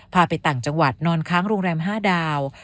ไปต่างจังหวัดนอนค้างโรงแรม๕ดาว